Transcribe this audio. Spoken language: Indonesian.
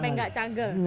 jadi ini masih cager ini